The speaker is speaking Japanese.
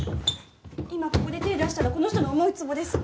今ここで手出したらこの人の思うつぼです。